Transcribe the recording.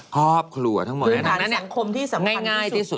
ครอบครัวทั้งหมดเนี่ยง่ายที่สุดอยู่ที่ครอบครัวง่ายที่สุด